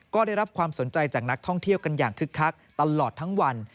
ก็ได้รับความสนใจจากนักท่องเที่ยวกันอย่างคึกคักตลอดทั้งวัน